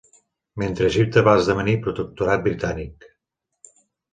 Mentre Egipte va esdevenir protectorat britànic.